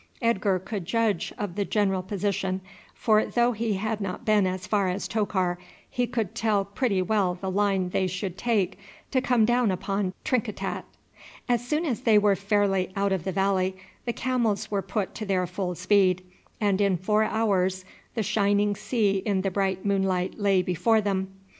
Edgar could judge of the general position, for though he had not been as far as Tokar he could tell pretty well the line they should take to come down upon Trinkitat. As soon as they were fairly out of the valley the camels were put to their full speed, and in four hours the sea shining in the bright moonlight lay before them.